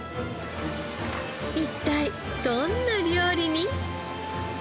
一体どんな料理に？